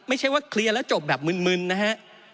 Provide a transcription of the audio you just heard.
ไม่ใช่ว่าเคลียร์แล้วจบแบบมึนนะฮะ